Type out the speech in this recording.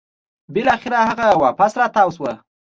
بلاخره هغه واپس راتاو شوه